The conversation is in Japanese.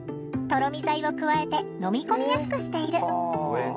とろみ剤を加えて飲み込みやすくしている。